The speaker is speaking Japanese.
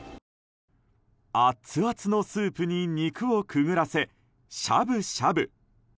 熱々のスープに肉をくぐらせしゃぶしゃぶ。